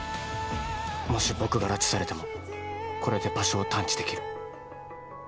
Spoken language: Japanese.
もし僕が拉致されてもこれで場所を探知できる。